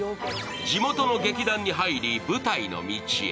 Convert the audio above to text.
地元の劇団に入り舞台の道へ。